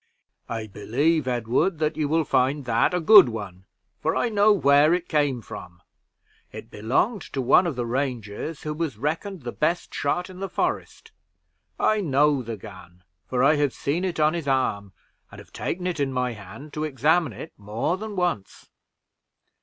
"I believe, Edward, that you will find that a good one, for I know where it came from. It belonged to one of the rangers, who was reckoned the best shot in the Forest. I know the gun, for I have seen it on his arm, and have taken it in my hand to examine it more than once.